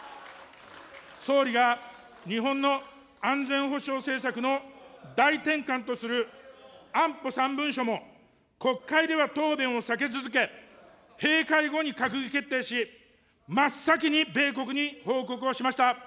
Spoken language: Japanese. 総理が日本の安全保障政策の大転換とする安保３文書も、国会では答弁を避け続け、閉会後に閣議決定し、真っ先に米国に報告をしました。